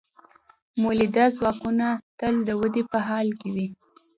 مؤلده ځواکونه تل د ودې په حال کې وي.